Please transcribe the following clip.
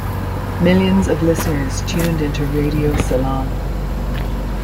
Millions of listeners tuned into Radio Ceylon.